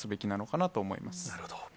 なるほど。